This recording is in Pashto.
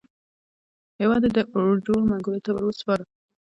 هېواد یې د اړدوړ منګولو ته وروسپاره.